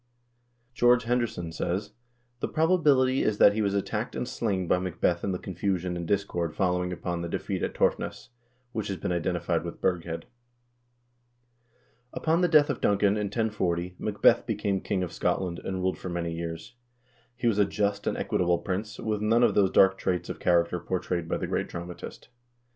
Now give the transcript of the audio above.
George Henderson says: "The probability is that he was attacked and slain by Macbeth in the confusion and discord following upon the defeat at Torfness, which has been identified with Burghead." 2 Upon the death of Duncan, in 1040, Macbeth became king of Scot land, and ruled for many years. He was a just and equitable prince, with none of those dark traits of character portrayed by the great dramatist.